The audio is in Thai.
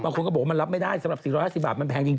คนก็บอกว่ามันรับไม่ได้สำหรับ๔๕๐บาทมันแพงจริง